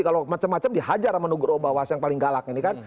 kalau macam macam dihajar sama nugro bawas yang paling galak ini kan